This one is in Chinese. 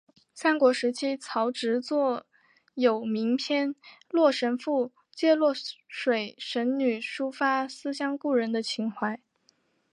三国时期曹植作有名篇洛神赋借洛水神女抒发思念故人的情怀。